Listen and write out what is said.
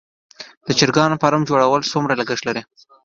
د چرګانو فارم جوړول څومره لګښت لري؟